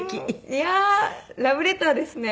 いやあラブレターですね。